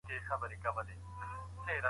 لمونځ ښه کار دئ.